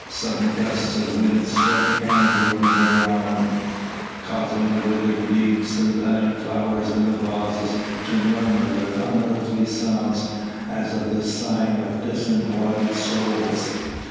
Sudden gusts of wind swept angrily round, causing the withered leaves and dying flowers in the vases to murmur with unearthly sounds, as of the sighing of disembodied souls.